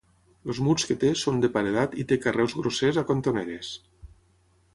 Els murs que té són de paredat i té carreus grossers a cantoneres.